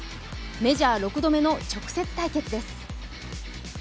メジャー６度目の直接対決です。